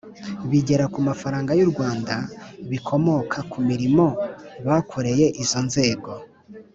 bigera ku mafaranga y u Rwanda bikomoka ku mirimo bakoreye izo nzego